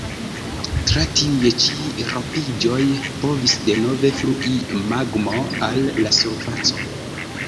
Tra tiuj ĉi ropiĝoj povis denove flui magmo al la surfaco.